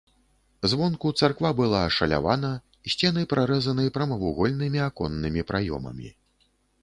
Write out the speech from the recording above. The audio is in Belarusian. Звонку царква была ашалявана, сцены прарэзаны прамавугольнымі аконнымі праёмамі.